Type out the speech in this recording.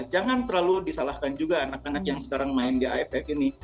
jangan terlalu disalahkan juga anak anak yang sekarang main di aff ini